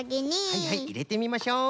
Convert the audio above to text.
はいはいいれてみましょう。